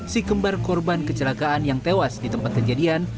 si kembar korban kecelakaan yang tewas di tempat kejadian